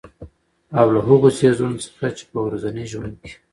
او له هـغو څـيزونه څـخـه چـې په ورځـني ژونـد کـې